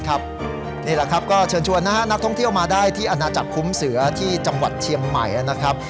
นี่แหละครับก็เชิญชวนนะฮะนักท่องเที่ยวมาได้ที่อาณาจักรคุ้มเสือที่จังหวัดเชียงใหม่นะครับ